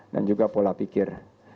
dan juga pola pikir